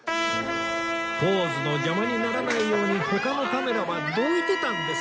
ポーズの邪魔にならないように他のカメラはどいてたんです